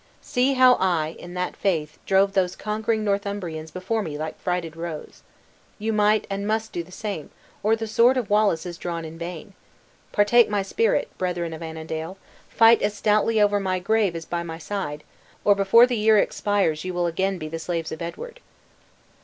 See how I in that faith drove these conquering Northumbrians before me like frighted roes. You might, and must do the same, or the sword of Wallace is drawn in vain. Partake my spirit, brethren of Annandale; fight as stoutly over my grave as by my side, or before the year expires you will again be the slaves of Edward."